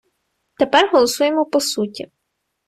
Тепер голосуємо по суті.